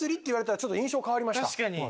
確かに。